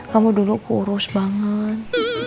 kamu dulu kurus banget